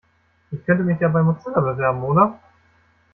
Ich könnte mich ja bei Mozilla bewerben, oder?